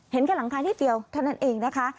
เห็นแค่หลังคานิดเดียวเท่านั้นเองนะคะ